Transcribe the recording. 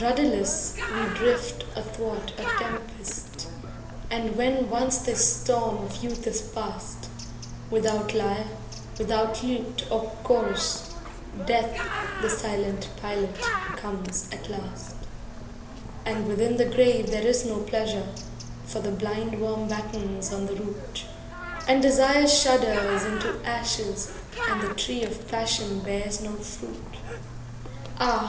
Rudderless, we drift athwart a tempest, and when once the storm of youth is past, Without lyre, without lute or chorus, Death the silent pilot comes at last. And within the grave there is no pleasure, for the blindworm battens on the root, And Desire shudders into ashes, and the tree of Passion bears no fruit. Ah!